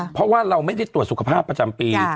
เพราะว่าเราไม่ได้ตรวจสุขภาพประจำปี